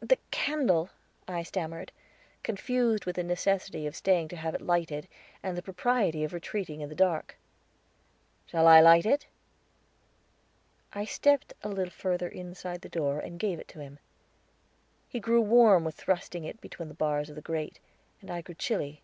"The candle," I stammered, confused with the necessity of staying to have it lighted, and the propriety of retreating in the dark. "Shall I light it?" I stepped a little further inside the door and gave it to him. He grew warm with thrusting it between the bars of the grate, and I grew chilly.